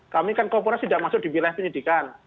kami kan korporasi tidak masuk di wilayah penyidikan